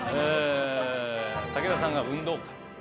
武田さんが「運動会」。